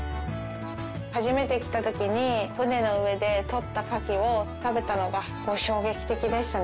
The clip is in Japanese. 初めて来た時に船の上でとったカキを食べたのが衝撃的でしたね。